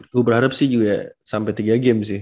gue berharap sih juga sampai tiga game sih